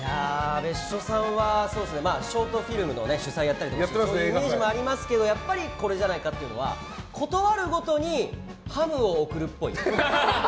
別所さんはショートフィルムの主宰とかやっているのでそういうイメージがありますけどやっぱりこれじゃないかというのは、ことあるごとにハムを送るっぽい。